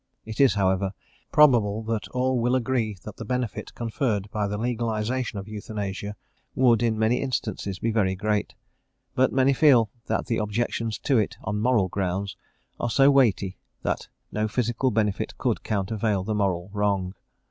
It is, however, probable that all will agree that the benefit conferred by the legalisation of euthanasia would, in many instances, be very great; but many feel that the objections to it, on moral grounds, are so weighty, that no physical benefit could countervail the moral wrong.